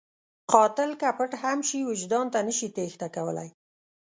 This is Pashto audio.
قاتل که پټ هم شي، وجدان ته نشي تېښته کولی